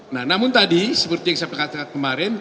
nah namun tadi seperti yang saya katakan kemarin